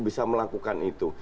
bisa melakukan itu